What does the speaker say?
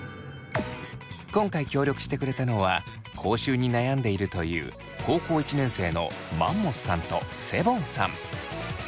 今回協力してくれたのは口臭に悩んでいるという高校１年生のマンモスさんとセボンさん。